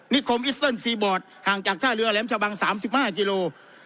นิคมอิสเติร์นฟรีบอร์ดห่างจากท่าเรือแหลมชะบังสามสิบห้ากิโล